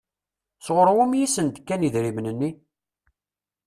Sɣur wumi i sent-d-kan idrimen-nni?